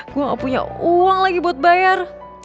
gue gak punya uang lagi buat bayar